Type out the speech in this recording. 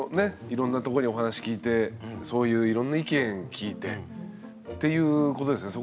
いろんなとこにお話聞いてそういういろんな意見聞いてっていうことですよね。